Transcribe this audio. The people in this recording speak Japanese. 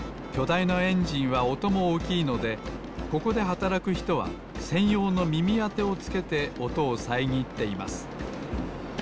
いなエンジンはおともおおきいのでここではたらくひとはせんようのみみあてをつけておとをさえぎっています。